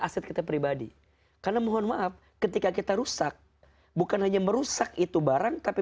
aset kita pribadi karena mohon maaf ketika kita rusak bukan hanya merusak itu barang tapi